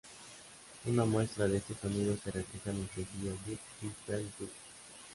Una muestra de este sonido se refleja en el sencillo "But I Feel Good".